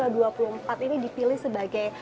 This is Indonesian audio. kenapa tanggal dua puluh empat ini dipilih sebagai